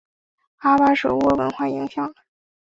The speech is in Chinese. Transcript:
阿巴舍沃文化影响了。